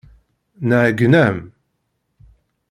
Nɛeyyen-am.